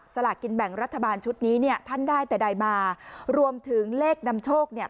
สลากินแบ่งรัฐบาลชุดนี้เนี่ยท่านได้แต่ใดมารวมถึงเลขนำโชคเนี่ย